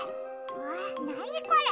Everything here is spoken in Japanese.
わあなにこれ？